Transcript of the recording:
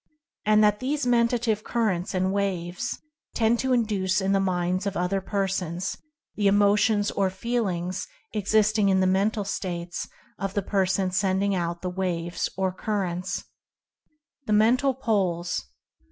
And that these Men tative Currents and Waves tend to "induce" in the minds of other persons, the emotions or feelings exist ing in the Mental States of the person sending out the waves or currents. THE MENTAL POLES.